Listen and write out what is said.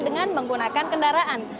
dengan menggunakan kendaraan